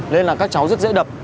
nên là các cháu rất dễ đập